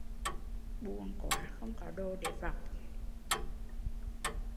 Buồn quá không có đồ để vọc